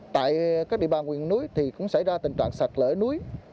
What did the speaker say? tại các địa bàn nguyên núi thì cũng xảy ra tình trạng sạch lỡ núi